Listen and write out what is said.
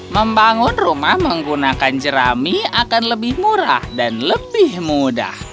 membangun rumah menggunakan jerami akan lebih murah dan lebih mudah